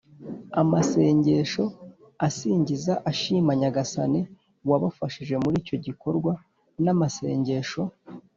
amasengesho asingiza, ashima nyagasani wabafashije muri icyo gikorwa n’amasengesho